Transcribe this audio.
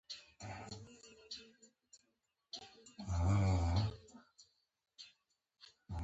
ابوجهل تر مرګه مسلمان نه شو.